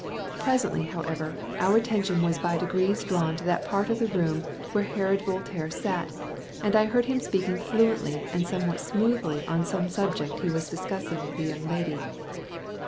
Presently, however, our attention was by degrees drawn to that part of the room where Herod Voltaire sat, and I heard him speaking fluently and smoothly on some subject he was discussing with a young lady.